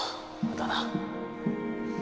だな